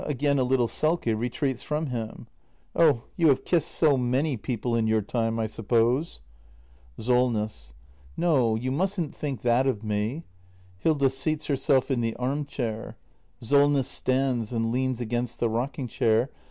[Again a little sulky, retreats from him.] Oh, you have kissed so many people in your time, I suppose. 306 THE MASTER BUILDER [act i SOLNESS. No, you mustn't think that of me. [Hilda seats herself in the arm chair. Solness stands and leans against the rocking chair.